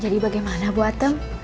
jadi bagaimana bu atem